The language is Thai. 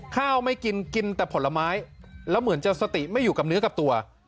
ไม่กินกินแต่ผลไม้แล้วเหมือนจะสติไม่อยู่กับเนื้อกับตัว